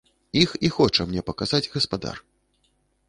Іх і хоча мне паказаць гаспадар.